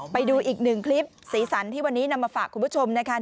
ไปดูอีกหนึ่งคลิปสีสันที่วันนี้นำมาฝากคุณผู้ชมนะคะ